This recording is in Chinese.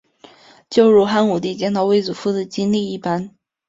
就如汉武帝见到卫子夫的经历一般。